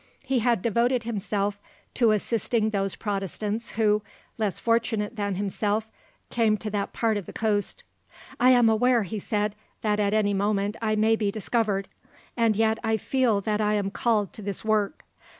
He had devoted himself to assisting those Protestants who, less fortunate than himself, came to that part of the coast. "`I am aware,' he said, `that at any moment I may be discovered; and yet I feel that I am called to this work.